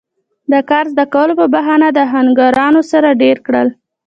د کار زده کولو پۀ بهانه د آهنګرانو سره دېره کړل